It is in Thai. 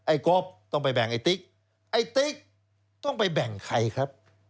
กบต้องไปแบ่งไอ้ติ๊กไอ้ติ๊กต้องไปแบ่งใครครับ